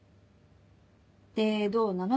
でどうなの？